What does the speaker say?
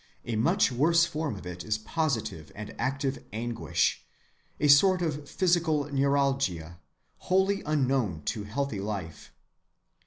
A much worse form of it is positive and active anguish, a sort of psychical neuralgia wholly unknown to healthy life.